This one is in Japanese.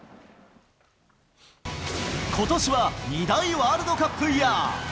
ことしは２大ワールドカップイヤー。